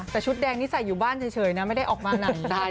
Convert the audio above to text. แต่ชุดแดงนี้ใส่อยู่บ้านเฉยนะไม่ได้ออกมาไหนได้